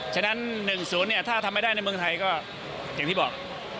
ฉะนั้น๑๐เนี่ยถ้าทำไม่ได้ในเมืองไทยก็อย่างที่บอก